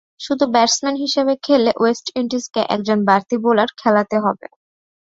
শুধু ব্যাটসম্যান হিসেবে খেললে ওয়েস্ট ইন্ডিজকে একজন বাড়তি বোলার খেলাতে হবে।